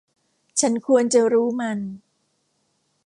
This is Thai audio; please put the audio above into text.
ฉันควรจะรู้มัน